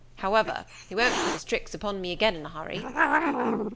However, he won't put his tricks upon me again in a hurry."